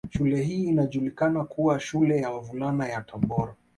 Shule hii inajulikana kwa shule ya Wavulana ya Tabora